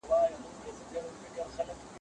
که استاد کتابونه وښيي څېړنه به ژر خلاصه سي.